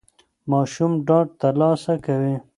ماشوم ډاډ ترلاسه کوي.